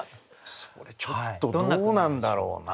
それちょっとどうなんだろうな？